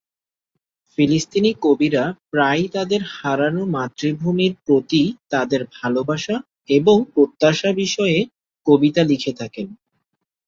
ফিলিস্তিনি কবিরা প্রায়ই তাদের হারানো মাতৃভূমির প্রতি তাদের ভালোবাসা এবং প্রত্যাশা বিষয়ে কবিতা লিখে থাকেন।